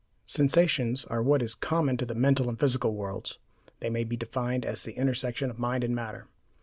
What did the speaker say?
Sensations are what is common to the mental and physical worlds; they may be defined as the intersection of mind and matter.